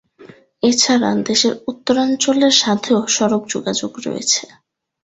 এছাড়া দেশের উত্তরাঞ্চলের সাথেও সড়ক যোগাযোগ রয়েছে।